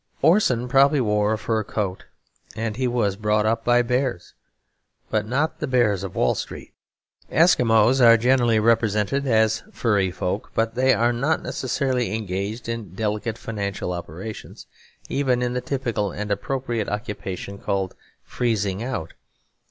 Orson probably wore a fur coat; and he was brought up by bears, but not the bears of Wall Street. Eskimos are generally represented as a furry folk; but they are not necessarily engaged in delicate financial operations, even in the typical and appropriate occupation called freezing out.